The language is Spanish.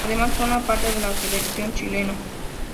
Además, forma parte de la selección chilena.